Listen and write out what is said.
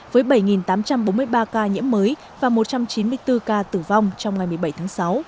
với bảy tám trăm bốn mươi ba ca nhiễm mới và một trăm chín mươi bốn ca tử vong trong ngày một mươi bảy tháng sáu